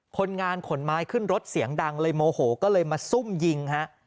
คนงานขนไม้ขึ้นรถเสียงดังเลยโมโหก็เลยมาซุ่มยิงฮะ